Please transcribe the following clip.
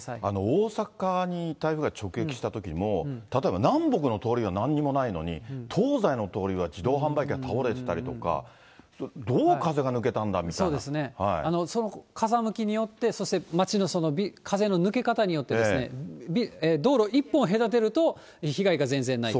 大阪に台風が直撃したときも、例えば南北の通りがなんにもないのに、東西の通りは自動販売機が倒れてたりとか、その風向きによって、そして町の風の抜け方によってですね、道路一本隔てると被害が全然ないと。